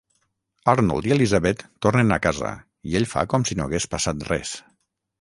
Arnold i Elizabeth tornen a casa, i ell fa com si no hagués passat res.